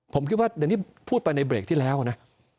ผมคิดว่าเดี๋ยวนี้พูดไปในเบรกที่แล้วนะ